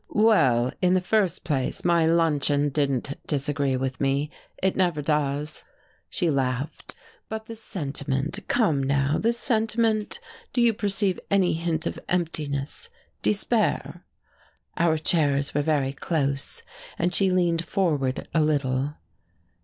"Well, in the first place, my luncheon didn't disagree with me. It never does." She laughed. "But the sentiment come now the sentiment? Do you perceive any hint of emptiness despair?" Our chairs were very close, and she leaned forward a little.